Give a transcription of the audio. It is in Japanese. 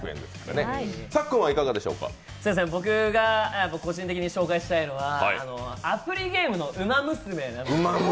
僕が個人的に紹介したいのは、アプリゲームの「ウマ娘」なんです。